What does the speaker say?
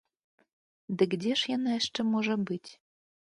Дык дзе ж яна яшчэ можа быць?